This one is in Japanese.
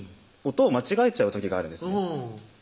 音を間違えちゃう時があるんですね